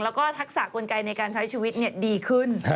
แล้วก็ทักษะกลไกในการใช้ชีวิตดีขึ้น